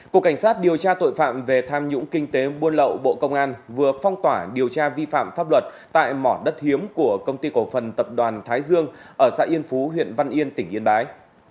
cục cảnh sát điều tra tội phạm về tham nhũng kinh tế buôn lậu bộ công an vừa phong tỏa điều tra vi phạm pháp luật tại mỏ đất hiếm của công ty cổ phần tập đoàn thái dương ở xã yên phú huyện văn yên tỉnh yên bái